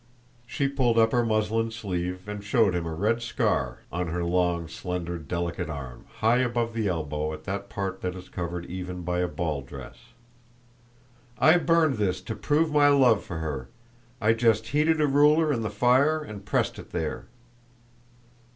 She pulled up her muslin sleeve and showed him a red scar on her long, slender, delicate arm, high above the elbow on that part that is covered even by a ball dress. "I burned this to prove my love for her. I just heated a ruler in the fire and pressed it there!"